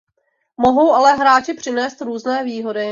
Mohou ale hráči přinést různé výhody.